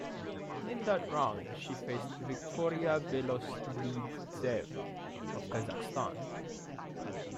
In that round, she faced Viktoriya Beloslydtseva of Kazakhstan.